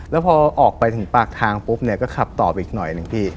แล้วพอออกไปถึงปากทางปุ๊บก็ขับต่ออีกหน่อยหนึ่ง